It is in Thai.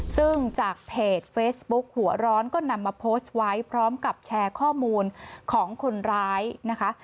ซึ่งจากเพจเฟซบุ๊คหัวร้อนก็นำมาโพสต์ไว้พร้อมกับแชร์ข้อมูลของคนร้ายนะคะ